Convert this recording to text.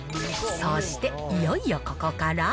そしていよいよここから。